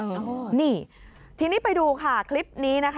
นี่ทีนี้ไปดูค่ะคลิปนี้นะคะ